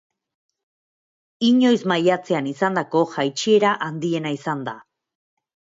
Inoiz maiatzean izandako jaitsiera handiena izan da.